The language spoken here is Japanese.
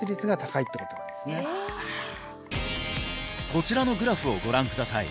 こちらのグラフをご覧ください